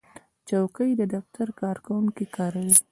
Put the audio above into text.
چوکۍ د دفتر کارکوونکي کاروي.